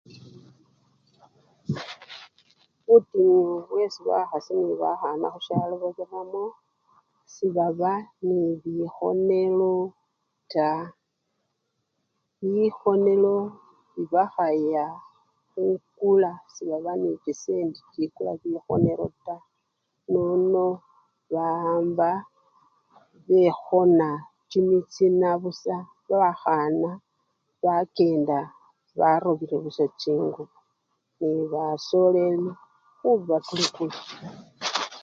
Butinyu bwesi bakhasi ne bakhana bakhasi khusyalo babiramo, sebaba nebikhonelo taa, bikhonelo bibakhaya khukula, sebaba nechisendi chikula bikhonelo taa nono bawamba bekhona kimichina busa bakhana bakenda barobire busa chingubo nebasoreli khubadulukunya